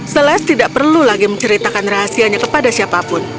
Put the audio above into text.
seles tidak perlu lagi menceritakan rahasianya kepada siapapun